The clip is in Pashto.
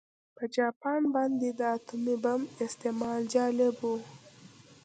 په جاپان باندې د اتومي بم استعمال جالب و